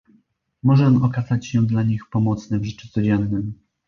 Może on okazać się dla nich pomocny w życiu codziennym